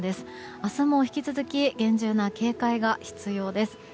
明日も引き続き厳重な警戒が必要です。